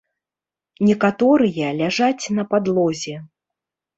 Некаторыя ляжаць на падлозе.